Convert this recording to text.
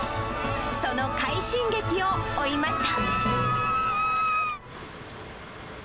その快進撃を追いました。